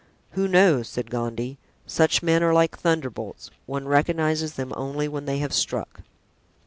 "Who knows?" said Gondy; "such men are like thunderbolts—one recognizes them only when they have struck."